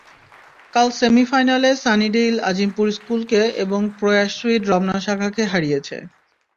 কাল সেমিফাইনালে সানিডেইল আজিমপুর স্কুলকে এবং প্রয়াস সুইড রমনা শাখাকে হারিয়েছে।